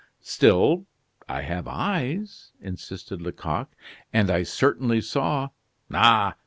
"Still I have eyes," insisted Lecoq, "and I certainly saw " "Ah!